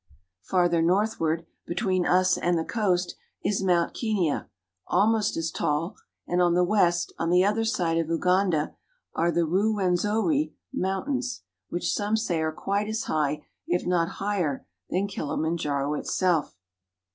Farther northward, between us and the coast, is Mount Kenia, almost as tall, and on the west, on the other side of Uganda, are the Ruwenzori (roo wen zo're) Mountains, which some say are quite as high if not higher than Kilimanjaro itself.